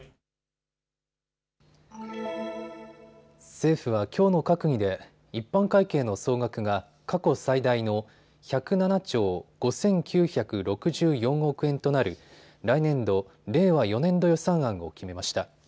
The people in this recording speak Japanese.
政府はきょうの閣議で一般会計の総額が過去最大の１０７兆５９６４億円となる来年度、令和４年度予算案を決めました。